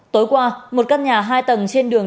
tối qua một căn nhà hai tầng trên đường lê hoàn thành công